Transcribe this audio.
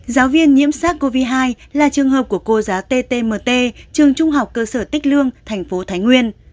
giáo viên nhiễm sars cov hai là trường hợp của cô giáo ttmt trường trung học cơ sở tích lương thành phố thái nguyên